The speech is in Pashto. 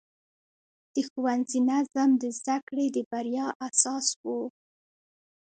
د ښوونځي نظم د زده کړې د بریا اساس و.